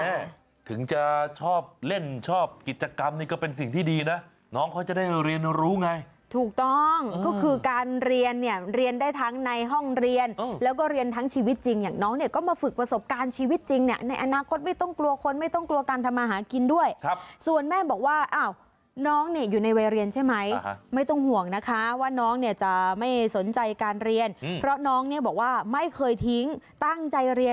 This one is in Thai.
เฮ้ยแม่ถึงจะชอบเล่นชอบกิจกรรมนี่ก็เป็นสิ่งที่ดีนะน้องเขาจะได้เรียนรู้ไงถูกต้องก็คือการเรียนเนี่ยเรียนได้ทั้งในห้องเรียนแล้วก็เรียนทั้งชีวิตจริงอย่างน้องเนี่ยก็มาฝึกประสบการณ์ชีวิตจริงเนี่ยในอนาคตไม่ต้องกลัวคนไม่ต้องกลัวการทำมาหากินด้วยส่วนแม่บอกว่าน้องเนี่ยอยู่ในวัยเรียนใช่